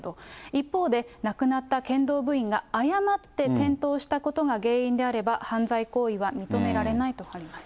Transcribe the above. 一方で、亡くなった剣道部員が誤って転倒したことが原因であれば、犯罪行為は認められないとなります。